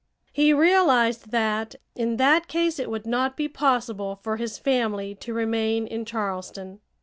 He realized that in that case it would not be possible for his family to remain in Charleston.